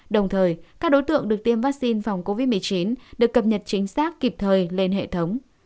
đồng thời các đối tượng được tiêm vaccine phòng covid một mươi chín được cập nhật chính xác kịp thời lên hệ thống